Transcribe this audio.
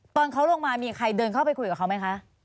ตอนเขาลงมามีใครเดินเข้าไปคุยกับเขาไหมคะ